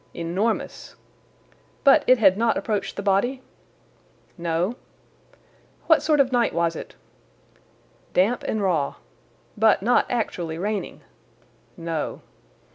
"Enormous." "But it had not approached the body?" "No." "What sort of night was it?' "Damp and raw." "But not actually raining?" "No."